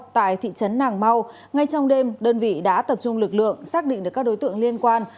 tại thị trấn nàng mau ngay trong đêm đơn vị đã tập trung lực lượng xác định được các đối tượng liên quan